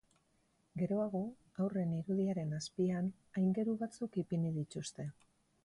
Geroago, haurren irudiaren azpian aingeru batzuk ipini dituzte.